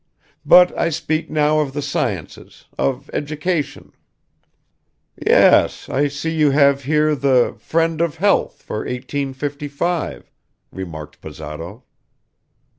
But I speak now of the sciences, of education." "Yes, I see you have here the Friend of Health for 1855," remarked Bazarov.